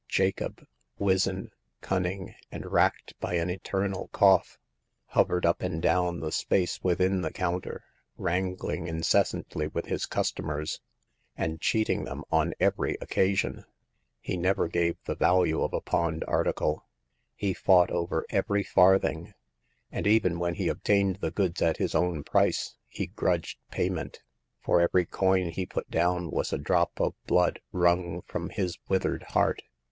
Jacob, wizen, cunning, and racked by an eternal cough, hovered up and down the space within the counter, wrangling incessantly with his cus tomers, and cheating them on every occasion. He never gave the value of a pawned article : he fought over every farthing ; and even when he obtained the goods at his own price he grudged payment ; for every coin he put down was a drop of blood wrung from his withered heart.